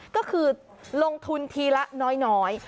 ก็คือลงทุนทีละน้อย